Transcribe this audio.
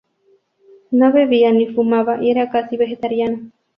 No bebía ni fumaba y era casi vegetariano.